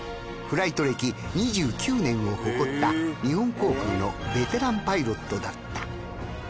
フライト歴２９年を誇った日本航空のベテランパイロットだった。